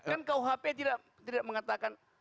kan kuhp tidak mengatakan dosa itu tidak dihukum